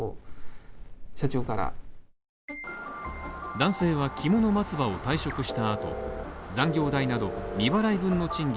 男性はきもの松葉を退職した後、残業代など未払い分の賃金